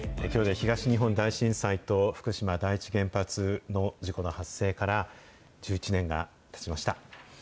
きょうで東日本大震災と福島第一原発の事故の発生から１１年がたちました。